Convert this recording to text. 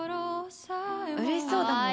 うれしそうだもん。